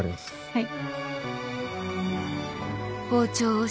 はい。